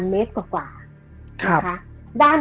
คือเรื่องนี้มัน